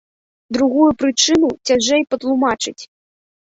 Другую прычыну цяжэй патлумачыць.